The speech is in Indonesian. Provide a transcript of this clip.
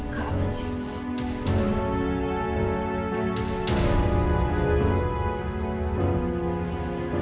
kak apaan sih